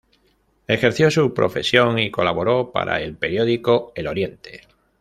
Ejerció su profesión y colaboró para el periódico "El Oriente".